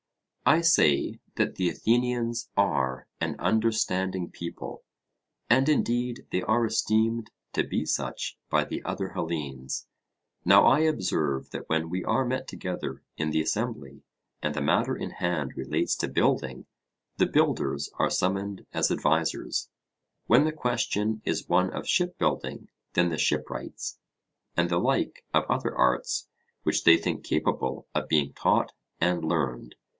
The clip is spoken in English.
I say that the Athenians are an understanding people, and indeed they are esteemed to be such by the other Hellenes. Now I observe that when we are met together in the assembly, and the matter in hand relates to building, the builders are summoned as advisers; when the question is one of ship building, then the ship wrights; and the like of other arts which they think capable of being taught and learned.